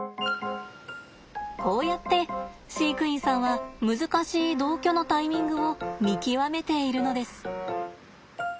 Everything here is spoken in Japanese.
こうやって飼育員さんは難しい同居のタイミングを見極めているのです。